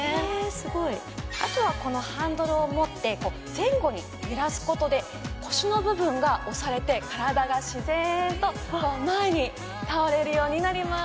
すごいあとはこのハンドルを持って前後に揺らすことで腰の部分が押されて体が自然とこう前に倒れるようになります